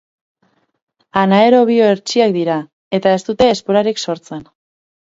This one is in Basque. Anaerobio hertsiak dira eta ez dute esporarik sortzen.